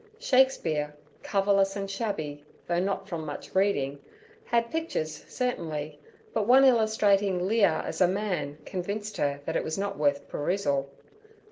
Shakespeare, coverless and shabby, though not from much reading, had pictures certainly, but one illustrating Lear as a man convinced her that it was not worth perusal.